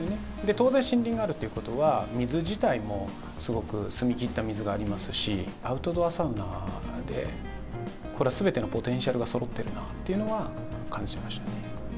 当然、森林があるということは、水自体もすごく澄み切った水がありますし、アウトドアサウナで、これはすべてのポテンシャルがそろってるなっていうのは感じました。